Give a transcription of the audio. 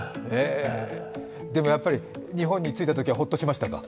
でもやっぱり日本に着いたときはホッとしましたか？